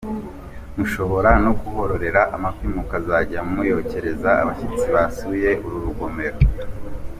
Mushobora no kuhororera amafi mukazajya muyokereza abashyitsi basuye uru rugomero.